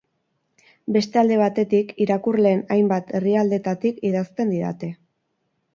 Beste alde batetik, irakurleen hainbat herrialdetatik idazten didate.